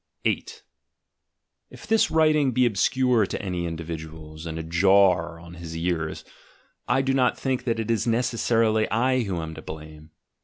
PREFACE xi 8. If this writing be obscure to any individual, and jar on his ears, I do not think that it is necessarily I who am to blame.